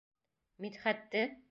Мидхәтте?!